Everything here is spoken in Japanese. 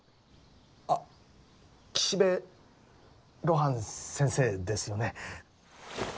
あっ岸辺露伴先生ですよね。